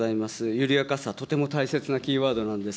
緩やかさ、とても大切なキーワードなんです。